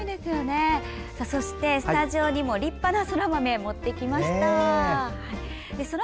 そして、スタジオにも立派なそら豆を持ってきました。